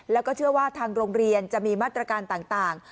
แล้วก็เชื่อว่าทางโรงเรียนจะมีมาตรการต่าง